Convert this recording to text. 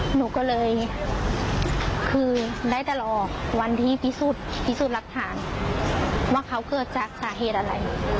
หนูก็เลยคือได้แต่รอวันที่พิสูจน์หลักฐานว่าเขาเกิดจากสาเหตุอะไร